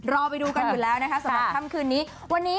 รอไปดูกันอยู่แล้วนะคะสำหรับค่ำคืนนี้วันนี้